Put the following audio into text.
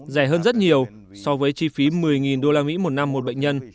rẻ hơn rất nhiều so với chi phí một mươi đô la mỹ một năm một bệnh nhân